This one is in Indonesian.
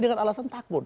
dengan alasan takut